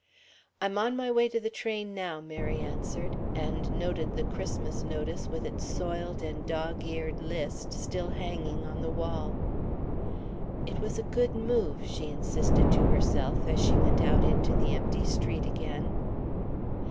"I'm on my way to the train now," Mary answered, and noted the Christmas notice with its soiled and dog eared list still hanging on the wall. "It was a good move," she insisted to herself, as she went out into the empty street again.